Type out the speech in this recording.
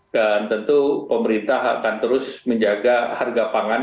dan tentu pemerintah akan terus menjaga harga perbelanjaan